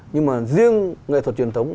nhưng mà riêng nghệ thuật truyền thống